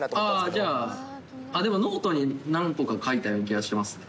じゃあ、でもノートに何個か描いたような気がしますね。